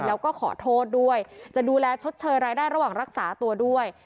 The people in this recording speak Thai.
แล้วก็ขอโทษด้วยจะดูแลชดเชยรายได้ระหว่างรักษาตัวด้วย